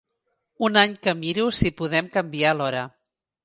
Un any que miro si podem canviar l'hora.